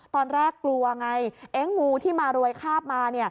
ตอนแรกกลัวไงงูที่มารวยคาบมา